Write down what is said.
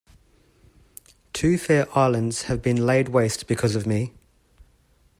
Two fair islands have been laid waste because of me!